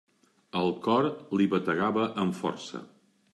El cor li bategava amb força.